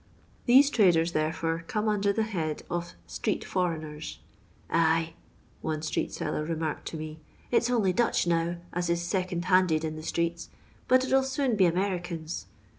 These traders, therefore, come under the head of STUtST FoRiioNBaa. " Ay," one stree^ seller remarked to me, " it 's only Dutch now as is second handed in the streets, but it '11 soon be Americans.